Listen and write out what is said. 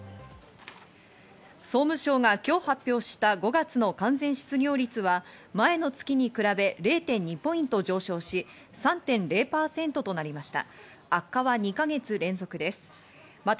総務省が今日発表した５月の完全失業率は、前の月に比べ０．２ポイント上昇し３．０％となりました。